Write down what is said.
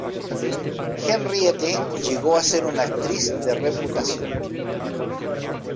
Henriette llegó a ser una actriz de reputación.